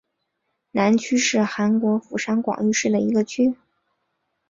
南区是韩国釜山广域市的一个区。